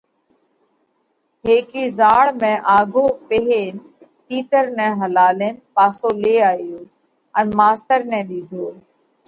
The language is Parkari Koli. هيڪي زاۯ ۾ آگهو پيهين تِيتر نئہ هلالينَ پاسو لي آيو ان ماستر نئہ ۮِيڌو۔